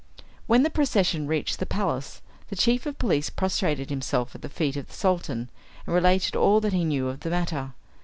When the procession reached the palace the chief of police prostrated himself at the feet of the Sultan, and related all that he knew of the matter.